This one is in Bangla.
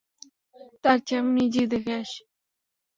তারচেয়ে, আমি নিজেই দেখে আসি।